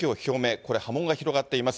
これ、波紋が広がっています。